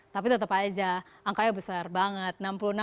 tapi tetap aja angkanya besar banget